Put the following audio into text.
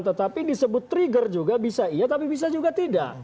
tetapi disebut trigger juga bisa iya tapi bisa juga tidak